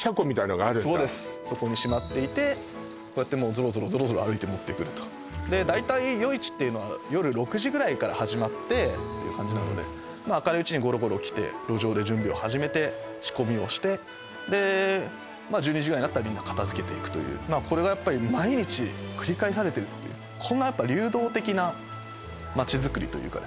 そこにしまっていてこうやってゾロゾロゾロゾロ歩いて持ってくると大体夜市っていうのは夜６時ぐらいから始まってっていう感じなので明るいうちにゴロゴロ来て路上で準備を始めて仕込みをしてで１２時ぐらいになったらみんな片づけていくというこれがやっぱり毎日繰り返されてるっていうこんなやっぱ流動的な街づくりというかですね